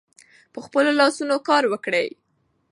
په خپلو لاسونو کار وکړئ.